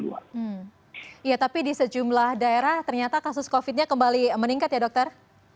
iya tapi di sejumlah daerah ternyata kasus covid nya kembali meningkat ya dokter